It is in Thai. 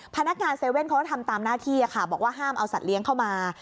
พนักงาน๗๑๑เขาก็ทำตามหน้าที่บอกว่าห้ามเอาสัตว์เลี้ยงเข้ามา